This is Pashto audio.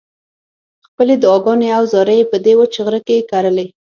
خپلې دعاګانې او زارۍ یې په دې وچ غره کې کرلې.